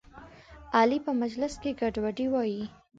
علي په مجلس کې ګډې وډې وایي.